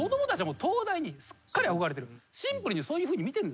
シンプルにそういうふうに見てるんですね。